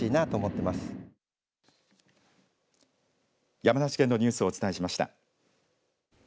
山梨県のニュースをお伝えしました。